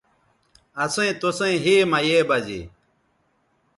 اسئیں توسئیں ھے مہ یے بزے